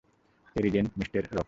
Terrigen মিস্টের রক্ষক।